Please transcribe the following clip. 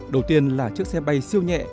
đầu tiên là chiếc xe bay siêu nhẹ